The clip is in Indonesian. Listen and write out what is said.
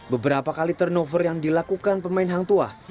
beberapa kali turnover yang dilakukan pemain hang tua